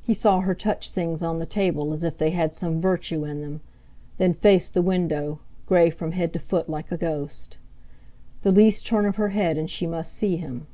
He saw her touch things on the table as if they had some virtue in them, then face the window grey from head to foot like a ghost. The least turn of her head, and she must see him!